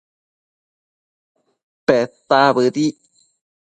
Peta bëdic